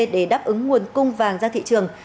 để đáp ứng nguồn cung vàng ra thị trường